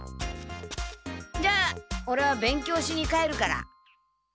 じゃあオレは勉強しに帰るから。